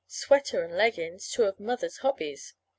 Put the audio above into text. (Sweater and leggings! Two of Mother's hobbies.